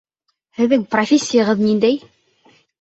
Һеҙҙең профессияғыҙ ниндәй?